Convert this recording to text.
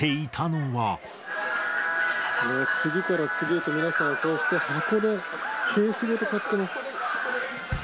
次から次へと、皆さん、こうして箱で、ケースごと買ってます。